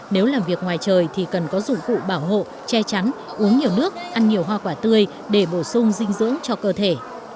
nếu làm việc ngoài trời thì cần có dụng cụ bảo hộ che chắn uống nhiều nước ăn nhiều hoa quả tươi để bổ sung dinh dưỡng cho cơ thể